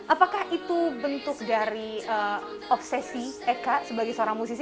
apakah itu bentuk dari obsesi eka sebagai seorang musisi